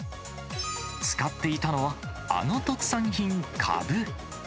使っていたのは、あの特産品、かぶ。